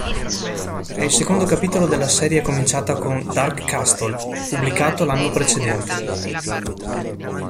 È il secondo capitolo della serie cominciata con "Dark Castle" pubblicato l'anno precedente.